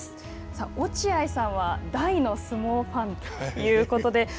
落合さんは大の相撲ファンということで。